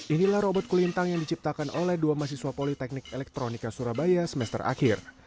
inilah robot kulintang yang diciptakan oleh dua mahasiswa politeknik elektronika surabaya semester akhir